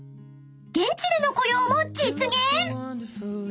［現地での雇用も実現］